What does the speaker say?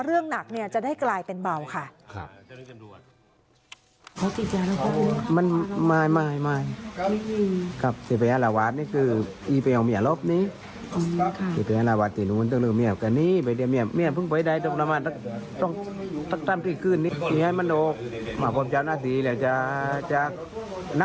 เรื่องหนักเนี่ยจะได้กลายเป็นเบาค่ะ